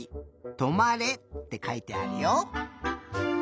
「止まれ」ってかいてあるよ。